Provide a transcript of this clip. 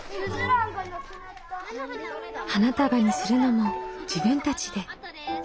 花束にするのも自分たちで。